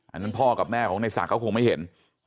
อันนั้นพ่อกับแม่ของในศักดิ์เขาคงไม่เห็น